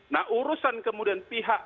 nah urusan kemudian pihak